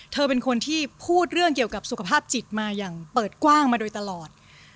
เธอเป็นคนที่พูดเรื่องเกี่ยวกับสุขภาพจิตมาอย่างเปิดกว้างมาโดยตลอด